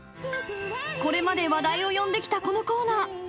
［これまで話題を呼んできたこのコーナー］